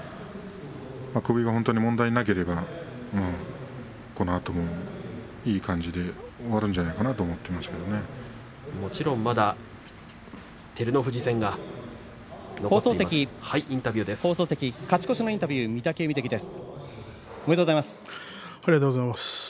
首が本当に問題がなければこのあともいい感じで終わるんじゃないかなともちろんまだ勝ち越しのインタビュー御嶽海関です。